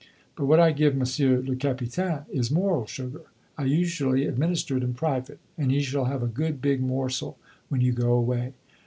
But what I give Monsieur le Capitaine is moral sugar! I usually administer it in private, and he shall have a good big morsel when you go away."